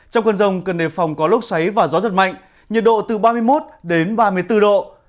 trong cơn rồng cơn đề phòng có lúc xoáy và gió giật mạnh nhiệt độ từ ba mươi một đến ba mươi bốn độ